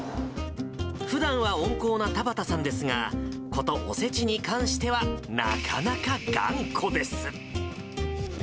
ふだんは温厚な太葉田さんですが、ことおせちに関しては、なかなか頑固です。